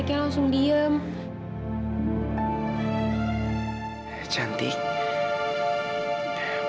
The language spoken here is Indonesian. ini juga kayak kayak k arab tante itu